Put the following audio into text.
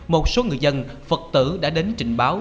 một số người dân phật tử đã đến trình báo